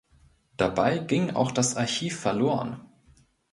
Dabei ging auch das Archiv verloren.